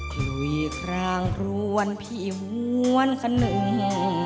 กลุ่ยคลางรวนพี่หวนขนึง